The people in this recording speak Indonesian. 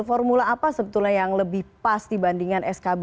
formula apa yang lebih pas dibanding skb